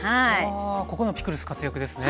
ここでもピクルス活躍ですね。